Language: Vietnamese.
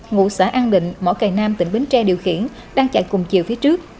ngụ xã an định mỏ cầy nam tỉnh bến tre điều khiển đang chạy cùng chiều phía trước